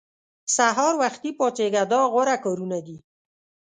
سهار وختي پاڅېږه دا غوره کارونه دي.